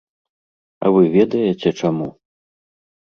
А вы ведаеце, чаму?